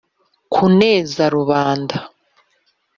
kuneza rubanda